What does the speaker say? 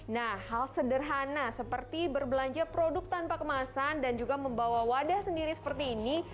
nah hal sederhana seperti berbelanja produk tanpa kemasan dan juga membawa wadah sendiri seperti ini